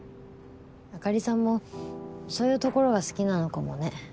あかりさんもそういうところが好きなのかもね